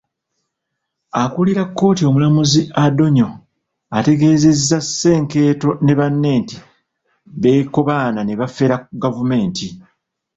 Akulira kkooti Omulamuzi Adonyo, ategeezezza, Senkeeto ne banne nti beekobaana ne bafera gavumenti.